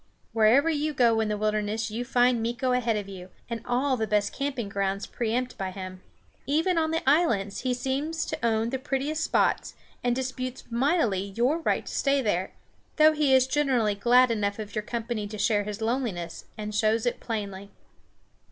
Wherever you go in the wilderness you find Meeko ahead of you, and all the best camping grounds preempted by him. Even on the islands he seems to own the prettiest spots, and disputes mightily your right to stay there; though he is generally glad enough of your company to share his loneliness, and shows it plainly.